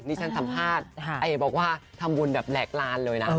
นี่ฉันสัมภาษณ์บอกว่าทำบุญแบบแหลกลานเลยนะ